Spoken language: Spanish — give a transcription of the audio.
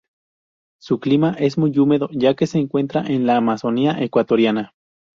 Su clima es muy húmedo ya que se encuentra en la Amazonía ecuatoriana.